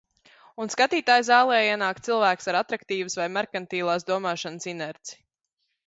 Un skatītāju zālē ienāk cilvēks ar atraktīvas vai merkantilās domāšanas inerci.